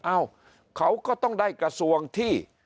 เอ้าเขาก็ต้องได้กระทรวงที่